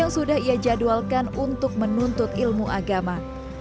yang sudah ia jadwalkan untuk menuntut ilmu agama